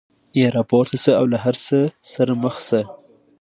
یا راپورته شه او له هر څه سره مخ شه.